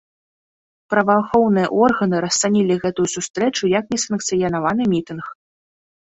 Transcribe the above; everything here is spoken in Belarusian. Праваахоўныя органы расцанілі гэтую сустрэчу як несанкцыянаваны мітынг.